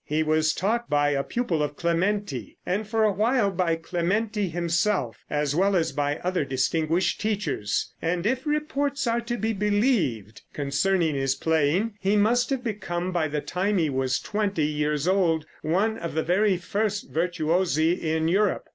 He was taught by a pupil of Clementi, and for a while by Clementi himself, as well as by other distinguished teachers, and if reports are to be believed concerning his playing, he must have become by the time he was twenty years old one of the very first virtuosi in Europe.